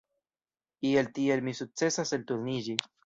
Iel tiel mi sukcesas elturniĝi.